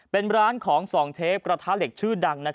เป็นร้านของ๒เชฟกระทะเหล็กชื่อดัง